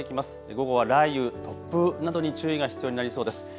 午後は雷雨、突風などに注意が必要になりそうです。